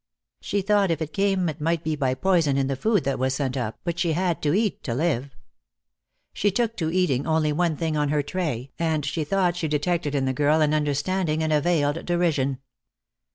She thought if it came it might be by poison in the food that was sent up, but she had to eat to live. She took to eating only one thing on her tray, and she thought she detected in the girl an understanding and a veiled derision.